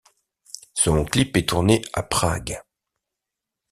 Son clip est tourné à Prague.